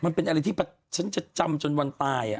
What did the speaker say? มันเป็นอะไรที่ฉันจะจำจนวันตาย